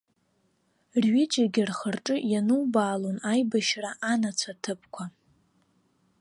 Рҩыџьегьы рхырҿы ианубаалон аибашьра анацәа ҭыԥқәа.